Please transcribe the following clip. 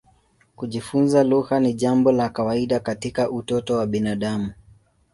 Kujifunza lugha ni jambo la kawaida katika utoto wa binadamu.